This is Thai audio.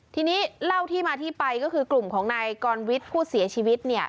ทีนี้เล่าที่มาที่ไปก็คือกลุ่มของนายกรวิทย์ผู้เสียชีวิต